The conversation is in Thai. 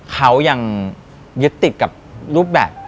เขายังยึดติดกับรูปแบบ